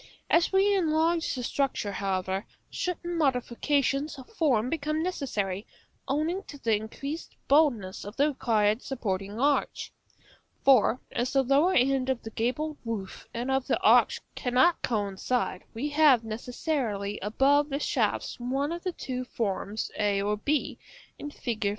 As we enlarge the structure, however, certain modifications of form become necessary, owing to the increased boldness of the required supporting arch. For, as the lower end of the gabled roof and of the arch cannot coincide, we have necessarily above the shafts one of the two forms a or b, in Fig.